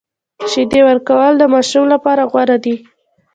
شیدې ورکول د ماشوم لپاره غوره دي۔